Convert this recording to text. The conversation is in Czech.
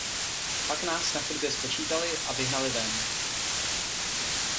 Pak nás na chodbě spočítali a vyhnali ven.